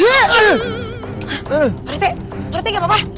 pak rete pak rete gak apa apa